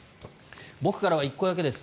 僕からは１個だけです。